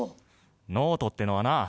ノートってのはな